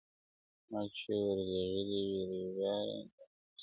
ما چي ورلېږلی وې رویباره جانان څه ویل،